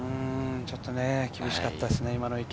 ちょっと今の池は厳しかったですね。